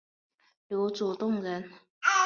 刘祖洞人。